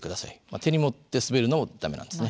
手に持って滑るのも駄目なんですね。